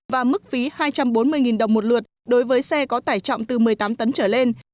và mức phí hai trăm bốn mươi đồng một lượt đối với xe có tải trọng từ một mươi tám tấn trở lên